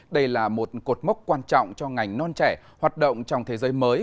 đây là một cột mốc quan trọng cho ngành non trẻ hoạt động trong thế giới mới